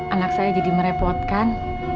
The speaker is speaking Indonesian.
anak saya jadi merepotkan